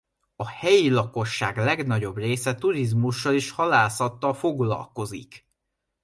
A helyi lakosság legnagyobb része turizmussal és halászattal foglalkozik.